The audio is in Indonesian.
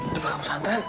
di belakang santren